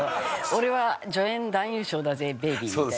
「俺は助演男優賞だぜベイビー」みたいな。